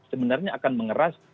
sebenarnya akan mengeras